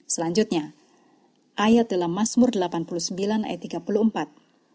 selanjutnya ayat dalam masmur delapan puluh sembilan ayat tiga puluh empat